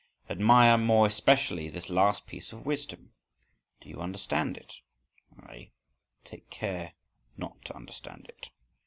Admire, more especially this last piece of wisdom! Do you understand it? I—take good care not to understand it.